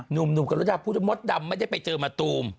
หนุ่มก็รู้จับมดดำก็ไม่มีทรัพย์มาตูม